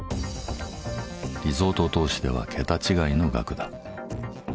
リゾート投資では桁違いの額だ。